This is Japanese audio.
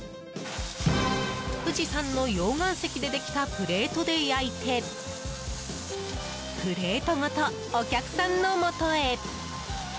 富士山の溶岩石でできたプレートで焼いてプレートごとお客さんのもとへ。